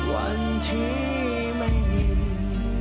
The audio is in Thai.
วันที่ไม่มี